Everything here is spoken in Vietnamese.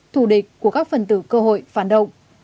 thù địch của các phần tử cơ hội phản động